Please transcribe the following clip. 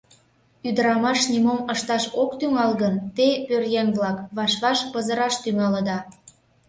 Ӱдырамаш нимом ышташ ок тӱҥал гын, те, пӧръеҥ-влак, ваш-ваш пызыраш тӱҥалыда.